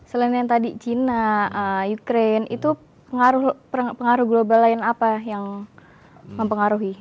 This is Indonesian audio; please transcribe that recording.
selain yang tadi cina ukraine itu pengaruh global lain apa yang mempengaruhi